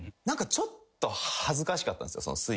何かちょっと恥ずかしかったんですよ。